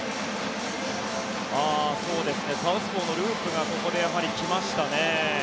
サウスポーのループがここで来ましたね。